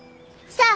さあ